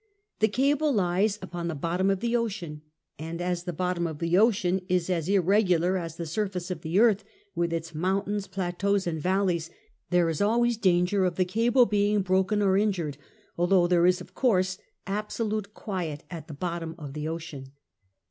The cable lies upon the bottom of the ocean, and, as the bottom of the ocean is as irregular as the surface of the earth, with its mountains, plateaus, and valleys, there is always danger of the cable being broken or injured, although there is, of course, absolute quiet at the bottom of the ocean.